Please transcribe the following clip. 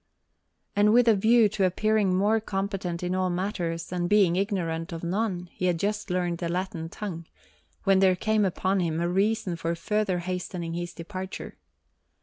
And with a view to appearing more competent in all matters, and to being ignorant of none, he had just learned the Latin tongue; when there came upon him a reason for further hastening his departure.